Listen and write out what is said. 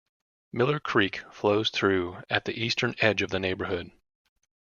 Miller Creek flows through at the eastern edge of the neighborhood.